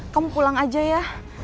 kamu pulang aja ya